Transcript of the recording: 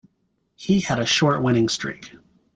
He had a short winning streak.